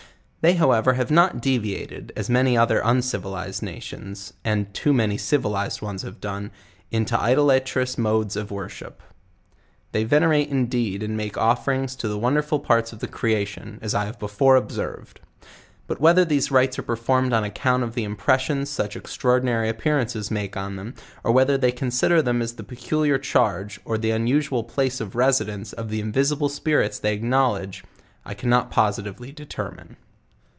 They however have not deviated, as many other un civilized nations; and too many civilized ones have done, into idolatrous modes of worship; they venerate indeed and make offerings to the wonderful parts of the creation, as I have be fore observed; but whether these rights are performed on ac count of the impressions such extraordinary appearances make on them, or whether they consider them as the pecu liar charge, or the usual place of residence of the invisible spirits they acknowledge,! cannot possitively determine.